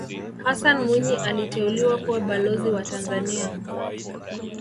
hassan mwinyi aliteuliwa kuwa balozi wa tanzania